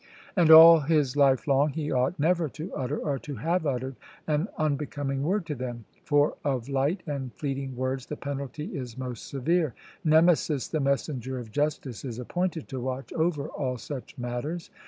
And all his life long he ought never to utter, or to have uttered, an unbecoming word to them; for of light and fleeting words the penalty is most severe; Nemesis, the messenger of justice, is appointed to watch over all such matters.